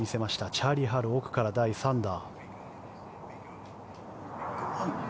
チャーリー・ハル奥から第３打。